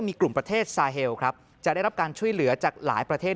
มีกลุ่มประเทศซาเฮลครับจะได้รับการช่วยเหลือจากหลายประเทศ